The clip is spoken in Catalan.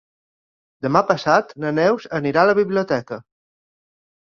Demà passat na Neus anirà a la biblioteca.